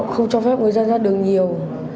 không cho phép người dân ra đường nhiều